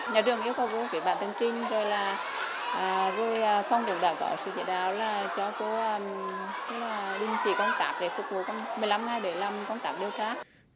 nhà trường yêu cầu cô viết bản tân trinh rồi là phong tục đảm gọi sự chỉ đáo là cho cô đừng chỉ công tác